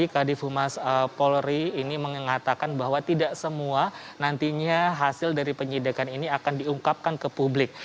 kadif humas polri ini mengatakan bahwa tidak semua nantinya hasil dari penyidikan ini akan diungkapkan ke publik